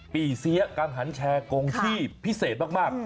ปีเสียกังหันแชร์กงที่พิเศษมาก